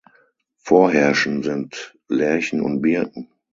Vorherrschend sind Lärchen und Birken.